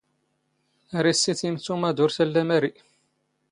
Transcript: ⴰⵔ ⵉⵙⵙⵉⵜⵉⵎ ⵜⵓⵎ ⴰⴷ ⵓⵔ ⵜⴰⵍⵍⴰ ⵎⴰⵔⵉ.